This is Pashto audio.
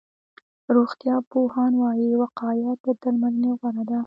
روغتيا پوهان وایي، وقایه تر درملنې غوره ده.